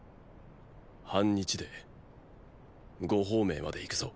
半日で呉鳳明まで行くぞ。